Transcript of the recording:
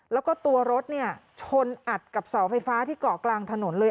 แล้วก็ตัวรถชนอัดกับเสาไฟฟ้าที่เกาะกลางถนนเลย